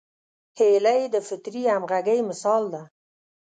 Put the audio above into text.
هیلۍ د فطري همغږۍ مثال ده